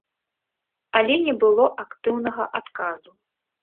Але не было актыўнага адказу.